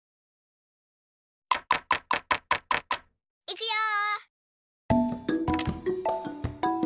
いくよ！